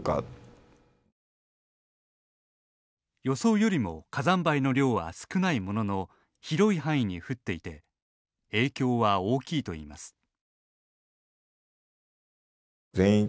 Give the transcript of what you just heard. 予想よりも火山灰の量は少ないものの広い範囲に降っていて影響は大きいといいます。